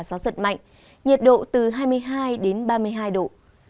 gió giật mạnh nhiệt độ từ hai mươi hai đến ba mươi hai độ